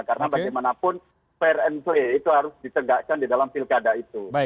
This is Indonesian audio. karena bagaimanapun fair and play itu harus disegakkan di dalam pilkada itu